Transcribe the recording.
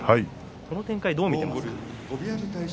この展開どう見ていますか？